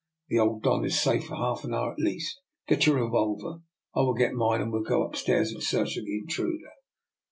The old Don is safe for half an hour at least ; get your revolver, I will get mine, and we will go up stairs in search of the intruder."